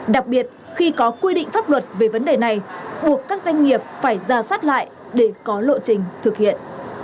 đặc biệt khi có quy định pháp luật về vấn đề này buộc các doanh nghiệp phải ra soát lại để có lộ trình thực hiện